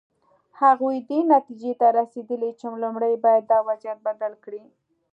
هغوی دې نتیجې ته رسېدلي چې لومړی باید دا وضعیت بدل کړي.